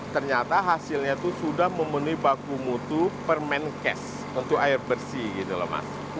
ternyata hasilnya itu sudah memenuhi baku mutu permenkes untuk air bersih gitu loh mas